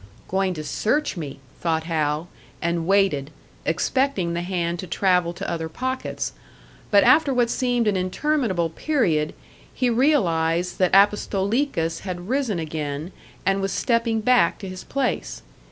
"Going to search me!" thought Hal; and waited, expecting the hand to travel to other pockets. But after what seemed an interminable period, he realised that Apostolikas had risen again, and was stepping back to his place.